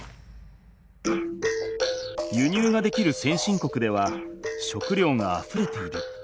輸入ができる先進国では食料があふれている。